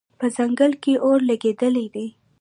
په ځنګل کې اور لګېدلی دی